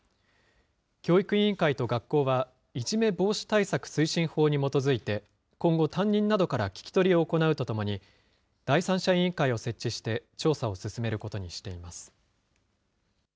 教育委員会と学校は、いじめ防止対策推進法に基づいて、今後、担任などから聞き取りを行うとともに、第三者委員会を設置して、調査を進めることにしています。